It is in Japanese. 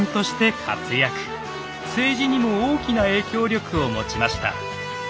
政治にも大きな影響力を持ちました。